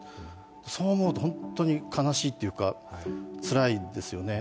そう思うと、本当に悲しいというかつらいですよね。